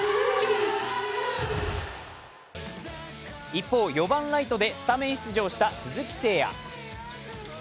一方、４番・ライトでスタメン出場した鈴木誠也。